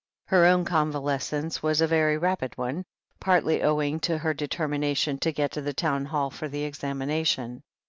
Her own convalescence was a ver^ rapid one, partly owing to her determination to get to the Town Hall for the examination.